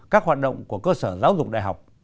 các hoạt động của cơ sở giáo dục đại học